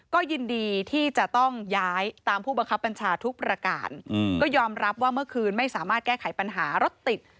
ก็ยินดีที่จะต้องย้ายตามผู้บังคับบัญชาทุกประการก็ยอมรับว่าเมื่อคืนไม่สามารถแก้ไขปัญหารถติด